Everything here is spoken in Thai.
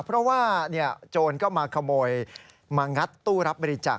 เพราะว่าโจรก็มาขโมยมางัดตู้รับบริจาค